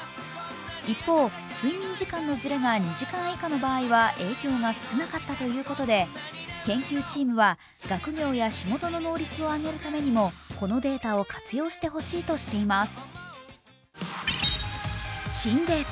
一方、睡眠時間のずれが２時間以下の場合は影響が少なかったということで学業や仕事の能率を上げるためにも、このデータを活用してほしいとしています。